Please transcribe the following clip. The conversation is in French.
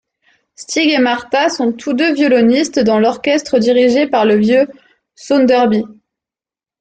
Stig et Martha sont tous deux violonistes dans l'orchestre dirigé par le vieux Sönderby.